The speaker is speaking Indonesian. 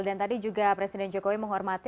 dan tadi juga presiden jokowi menghormati